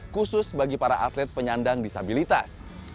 khusus bagi para atlet penyandang disabilitas